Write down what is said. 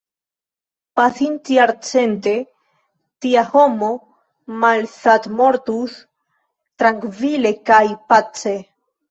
Pasintjarcente tia homo malsatmortus, trankvile kaj pace.